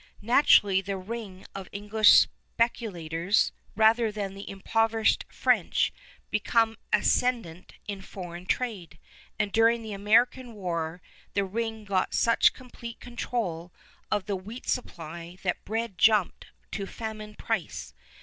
Naturally the ring of English speculators, rather than the impoverished French, became ascendant in foreign trade, and during the American war the ring got such complete control of the wheat supply that bread jumped to famine price.